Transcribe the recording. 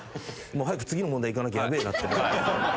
早く次の問題いかなきゃヤベえなって。